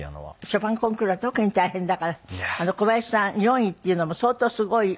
ショパンコンクールは特に大変だから小林さん４位っていうのも相当すごい。